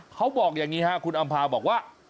เขาบอกอย่างนี้ครับคุณอำภาบอกว่า